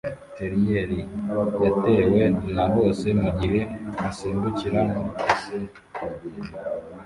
Terrier yatewe na hose mugihe asimbukira muri pisine